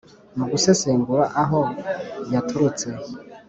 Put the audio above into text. Mu gusesengura aho yaturrutse